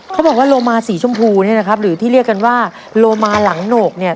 เขาบอกว่าโลมาสีชมพูเนี่ยนะครับหรือที่เรียกกันว่าโลมาหลังโหนกเนี่ย